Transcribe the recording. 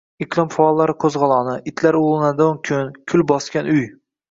Iqlim faollari qo‘zg‘oloni, itlar ulug‘lanadigan kun, kul bosgan uy